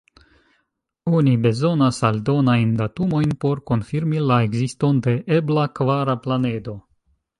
Oni bezonas aldonajn datumojn por konfirmi la ekziston de ebla kvara planedo.